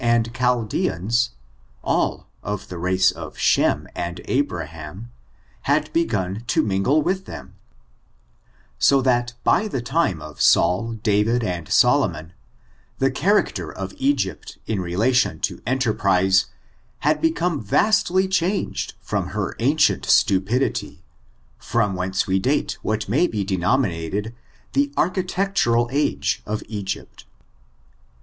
213 and Chaldeans, all of the race of Shem and Abraham, had begun to mingle with them: so that by the time of Scudj Davidf and Solomon, the character of Egypt in relation to enterprise, had become vastly changed from her ancient stupidity; from whence we date what may be denominated the architectural age of Egypt.